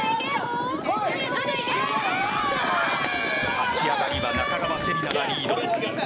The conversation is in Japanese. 立ち上がりは中川せりながリード。